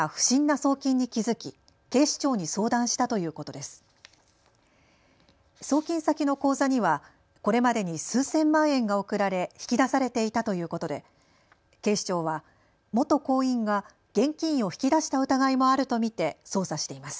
送金先の口座にはこれまでに数千万円が送られ引き出されていたということで警視庁は元行員が現金を引き出した疑いもあると見て捜査しています。